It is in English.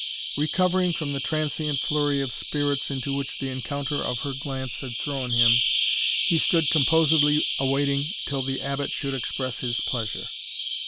Recovering from the transient flurry of spirits into which the encounter of her glance had thrown him, he stood composedly awaiting till the Abbot should express his pleasure.